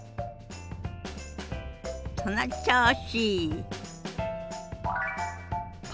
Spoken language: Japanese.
その調子。